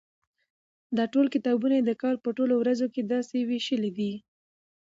چي ټول کتابونه يي د کال په ټولو ورځو داسي ويشلي دي